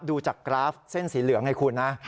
ดูจากกราฟเส้นสีเหลืองให้คุณนะ